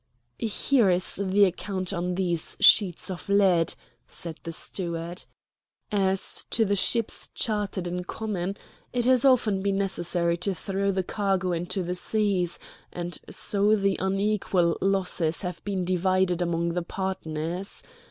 "Here is the account on these sheets of lead," said the Steward. "As to the ships chartered in common, it has often been necessary to throw the cargo into the seas, and so the unequal losses have been divided among the partners.